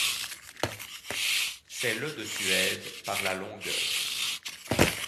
C'est le de Suède par la longueur.